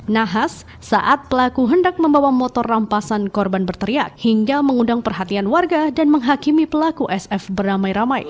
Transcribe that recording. nahas saat pelaku hendak membawa motor rampasan korban berteriak hingga mengundang perhatian warga dan menghakimi pelaku sf beramai ramai